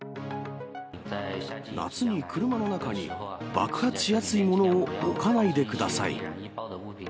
夏に車の中に、爆発しやすいものを置かないでください。